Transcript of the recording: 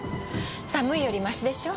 寒いよりましでしょ？